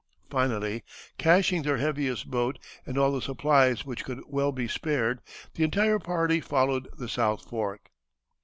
Finally caching their heaviest boat and all the supplies which could well be spared, the entire party followed the south fork.